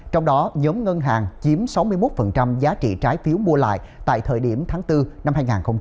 trong đó nhóm ngân hàng chiếm sáu mươi một giá trị trái phiếu mua lại tại thời điểm tháng bốn năm hai nghìn hai mươi